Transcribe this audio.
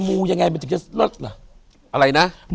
อยู่ที่แม่ศรีวิรัยิลครับ